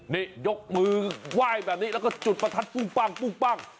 นี่ยกมือไหว้แบบนี้แล้วก็จุดประทัดปุ้งปั้ง